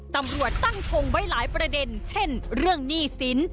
ตำรวจตั้งทงไว้หลายประเด็นเช่นเรื่องหนี้สิน